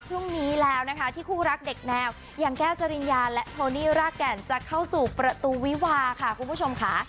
พรุ่งนี้แล้วนะคะที่คู่รักเด็กแนวอย่างแก้วจริญญาและโทนี่รากแก่นจะเข้าสู่ประตูวิวาค่ะคุณผู้ชมค่ะ